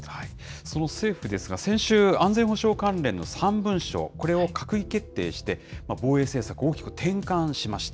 その政府ですが、先週、安全保障関連の３文書、これを閣議決定して、防衛政策、大きく転換しました。